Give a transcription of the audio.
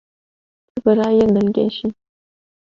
Tu birayê dilgeş î.